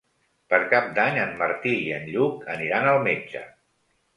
Per Cap d'Any en Martí i en Lluc aniran al metge.